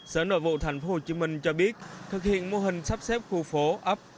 sở nội vụ tp hcm cho biết thực hiện mô hình sắp xếp khu phố ấp